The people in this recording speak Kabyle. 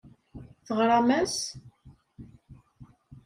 Teɣram-as?